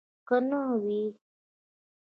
که نه وي.